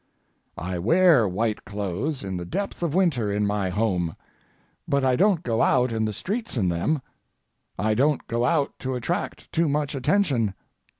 I wear white clothes in the depth of winter in my home, but I don't go out in the streets in them. I don't go out to attract too much attention.